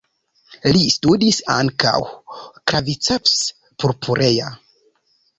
Li studis ankaŭ "Claviceps purpurea.